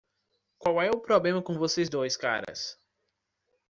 Qual é o problema com vocês dois caras?